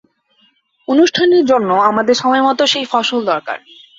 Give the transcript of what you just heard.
অনুষ্ঠানের জন্য আমাদের সময়মতো সেই ফসল দরকার।